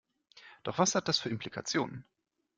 Doch was hat das für Implikationen?